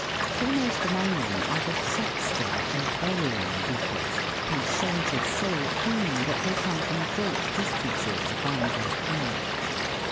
Foremost among them are the Sexton, or burying beetles, whose scent is so keen that they come from great distances to find their food.